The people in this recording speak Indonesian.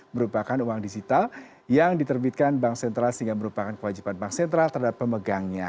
merupakan uang digital yang diterbitkan bank sentral sehingga merupakan kewajiban bank sentral terhadap pemegangnya